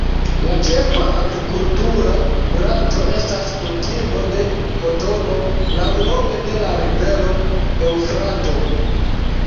La ĉefa agrikultura branĉo estas kultivo de kotono laŭlonge de la rivero Eŭfrato.